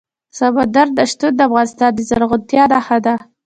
سمندر نه شتون د افغانستان د زرغونتیا نښه ده.